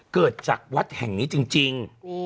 เกิดจากวัดแห่งนี้จริง